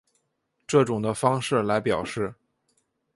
这种的方式来表示。